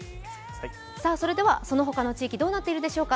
それでは、そのほかの地域どうなっているでしょうか。